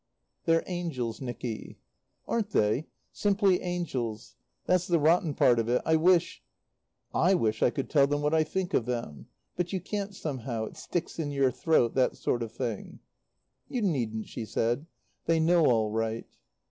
"They're angels, Nicky." "Aren't they? Simply angels. That's the rotten part of it. I wish "I wish I could tell them what I think of them. But you can't, somehow. It sticks in your throat, that sort of thing." "You needn't," she said; "they know all right."